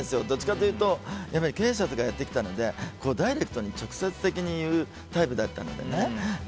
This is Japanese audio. どっちかというと経営者とかやってきたのでダイレクトに直接的に言うタイプだったのでね。